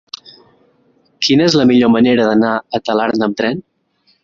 Quina és la millor manera d'anar a Talarn amb tren?